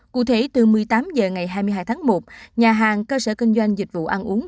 cụ thể từ một mươi tám h ngày hai mươi hai tháng một nhà hàng cơ sở kinh doanh dịch vụ ăn uống